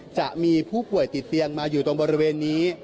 จะมีผู้ป่วยติดเตียงมาอยู่ตรงบริเวณนี้